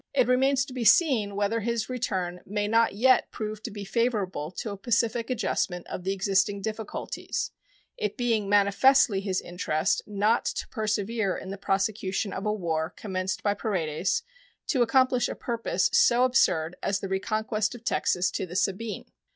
It remains to be seen whether his return may not yet prove to be favorable to a pacific adjustment of the existing difficulties, it being manifestly his interest not to persevere in the prosecution of a war commenced by Paredes to accomplish a purpose so absurd as the reconquest of Texas to the Sabine.